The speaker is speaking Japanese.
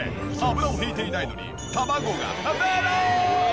油を引いていないのに卵がペロン！